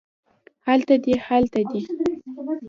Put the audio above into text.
هلته دی هلته دي